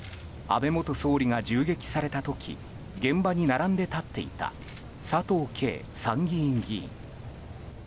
安倍元総理が銃撃された時現場に並んで立っていた佐藤啓参議院議員。